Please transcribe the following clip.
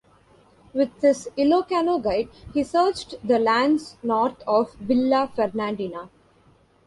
With his Ilocano guide, he searched the lands north of Villa Fernandina.